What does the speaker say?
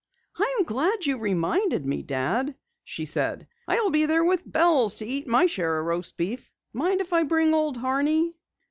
"I'm glad you reminded me, Dad," she said. "I'll be there with bells to eat my share of roast beef. Mind if I bring Old Horney?"